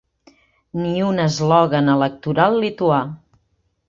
Ni un eslògan electoral lituà.